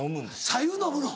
白湯飲むの？